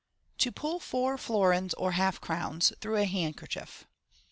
To Pull Four Florins or Half crow^t trough a Hand kerchief.